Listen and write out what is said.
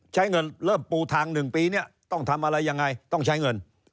ใช้เงินเริ่มปูทาง๑ปีเนี่ยต้องทำอะไรยังไงต้องใช้เงิน